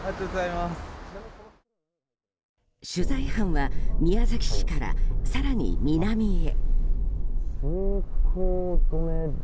取材班は宮崎市は更に南へ。